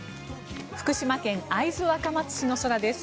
福島県会津若松市の空です。